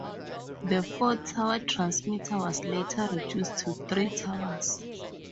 The four-tower transmitter was later reduced to three towers.